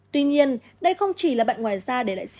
tuy nhiên đây không chỉ là bệnh ngoài da để lại sinh